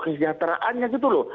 kesejahteraannya gitu loh